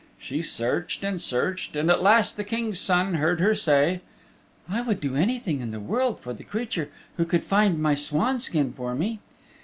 She searched and searched, and at last the King's Son heard her say, "I would do anything in the world for the creature who would find my swanskin for me."